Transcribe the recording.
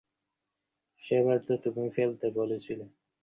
সেবার তো তুমিই ফেলতে বলেছিলে।